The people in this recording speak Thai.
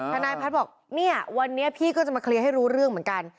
ทนายพัฒน์บอกเนี่ยวันนี้พี่ก็จะมาเคลียร์ให้รู้เรื่องเหมือนกัน